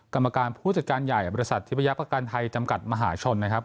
กรรมการผู้จัดการใหญ่บริษัททิพยาประกันไทยจำกัดมหาชนนะครับ